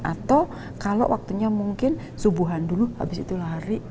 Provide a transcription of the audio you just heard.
atau kalau waktunya mungkin subuhan dulu habis itu lari